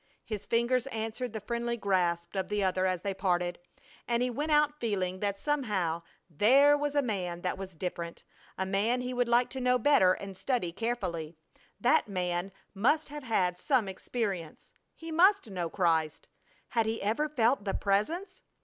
His fingers answered the friendly grasp of the other as they parted, and he went out feeling that somehow there was a man that was different; a man he would like to know better and study carefully. That man must have had some experience! He must know Christ! Had he ever felt the Presence?